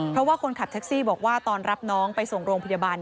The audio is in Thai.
เพราะว่าคนขับแท็กซี่บอกว่าตอนรับน้องไปส่งโรงพยาบาล